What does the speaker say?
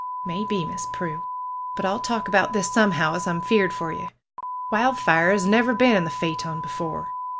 ^'" Maybe, Miss Prue ! But I'll talk about this some how, as Pm feared for ye. Wildfire 'as never been in the phaeton before."